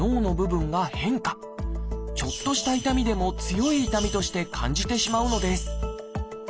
ちょっとした痛みでも強い痛みとして感じてしまうのです。